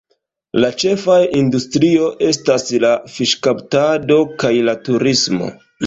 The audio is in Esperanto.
La ĉefaj industrio estas la fiŝkaptado kaj la turismo.